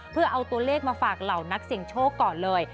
เพื่อเอาตัวเลขมาฝากเหล่านักเสี่ยงโชคก่อนเลย